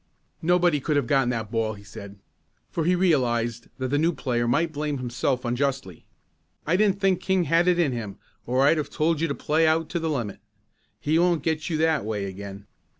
"Nobody could have gotten that ball," he said, for he realized that the new player might blame himself unjustly. "I didn't think King had it in him, or I'd have told you to play out to the limit. He won't get you that way again."